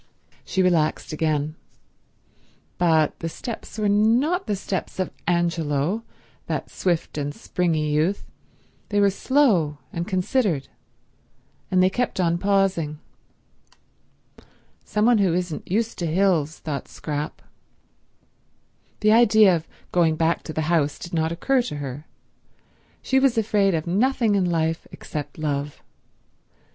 She relaxed again. But the steps were not the steps of Angelo, that swift and springy youth; they were slow and considered, and they kept on pausing. "Some one who isn't used to hills," thought Scrap. The idea of going back to the house did not occur to her. She was afraid of nothing in life except love.